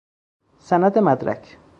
سند مدرک